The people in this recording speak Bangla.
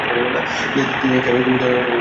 তিনি কে এস গোবিন্দ নায়ার ও গঙ্গার সন্তান।